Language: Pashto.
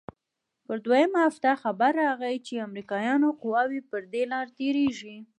پر دويمه هفته خبر راغى چې امريکايانو قواوې پر دې لاره تېريږي.